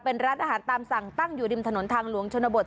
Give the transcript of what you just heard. เป็นร้านอาหารตามสั่งตั้งอยู่ริมถนนทางหลวงชนบท